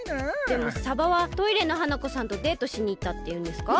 でも「さばはトイレの花子さんとデートしにいった」っていうんですか？